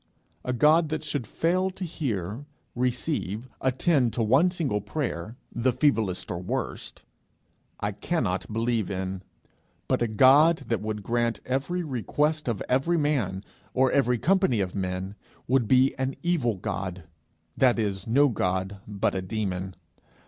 A God that should fail to hear, receive, attend to one single prayer, the feeblest or worst, I cannot believe in; but a God that would grant every request of every man or every company of men, would be an evil God that is no God, but a demon.